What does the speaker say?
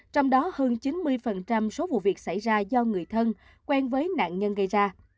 trong đó hơn chín mươi số vụ việc xảy ra do người thân quen với nạn nhân gây ra